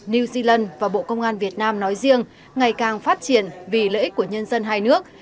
new zealand và bộ công an việt nam nói riêng ngày càng phát triển vì lợi ích của nhân dân hai nước